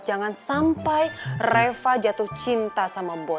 jangan sampai reva jatuh cinta sama bos